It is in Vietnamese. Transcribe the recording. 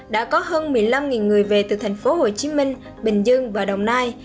đã có hơn một mươi năm người về từ thành phố hồ chí minh bình dương và đồng nai